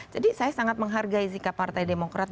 jadi saya sangat menghargai zika partai demokrat